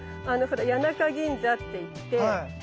谷中銀座っていって。